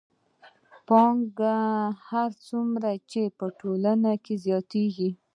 پانګه هر څومره چې په ټولنه کې زیاتېږي